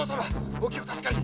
お気を確かに！